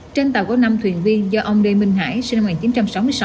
trên tàu có năm thuyền viên do ông lê minh hải sinh năm một nghìn chín trăm sáu mươi sáu